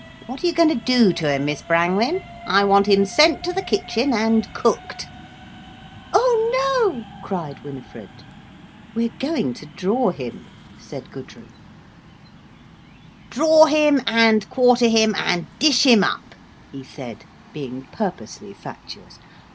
What are you going to do to him, Miss Brangwen? I want him sent to the kitchen and cooked." "Oh no," cried Winifred. "We're going to draw him," said Gudrun. "Draw him and quarter him and dish him up," he said, being purposely fatuous.